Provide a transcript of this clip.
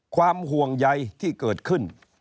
ความห่วงใยที่เกิดขึ้น